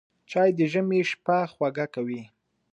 چای د ژمي شپه خوږه کوي